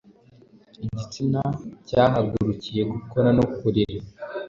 Igitsina cyahagurukiye gukora no kurira.